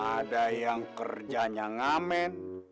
ada yang kerjanya ngamen